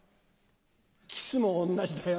キスも同じだよ。